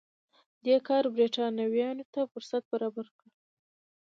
دې کار برېټانویانو ته فرصت برابر کړ.